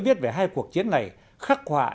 viết về hai cuộc chiến này khắc họa